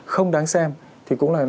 không đáng xem thì cũng là